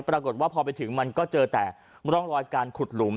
ปรากฏว่าพอไปถึงมันก็เจอแต่ร่องรอยการขุดหลุม